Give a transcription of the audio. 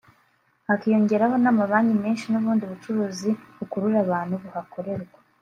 hakiyongeraho n’amabanki menshi n’ubundi bucuruzi bukurura abantu buhakorerwa